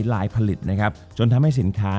จบการโรงแรมจบการโรงแรม